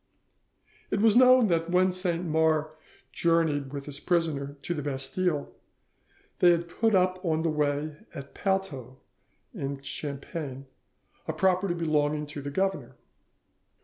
It was known that when Saint Mars journeyed with his prisoner to the Bastille, they had put up on the way at Palteau, in Champagne, a property belonging to the governor.